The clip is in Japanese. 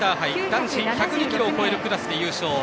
男子１０２ｋｇを超えるクラスで優勝。